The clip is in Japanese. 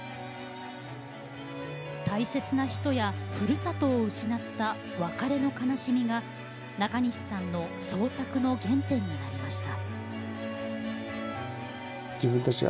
大切な人や、ふるさとを失った別れの悲しみがなかにしさんの創作の原点になりました。